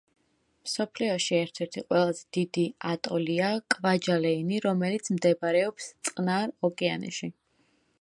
მსოფლიოში ერთ-ერთი ყველაზე დიდი ატოლია კვაჯალეინი, რომელიც მდებარეობს წყნარ ოკეანეში.